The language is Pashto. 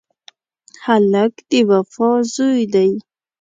هلک د وفا زوی دی.